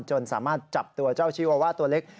จนสามารถจับตัวเจ้าชีวาว่าตัวเล็ก